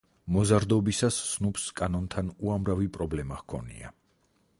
მოზარდობისას სნუპს კანონთან უამრავი პრობლემა ჰქონია.